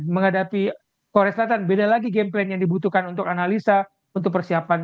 menghadapi korea selatan beda lagi game plan yang dibutuhkan untuk analisa untuk persiapan